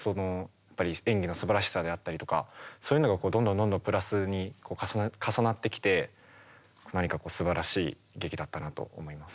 やっぱり演技のすばらしさであったりとかそういうのがどんどんどんどんプラスに重なってきてすばらしい劇だったなと思います。